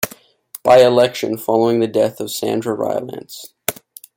By-election following the death of Sandra Rylance.